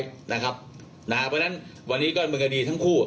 เพราะฉะนั้นวันนี้ก็เมืองดีทั้งคู่